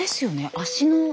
足の。